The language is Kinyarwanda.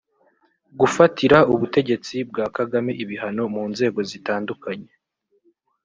Gufatira ubutegetsi bwa kagame ibihano mu nzego zitandukanye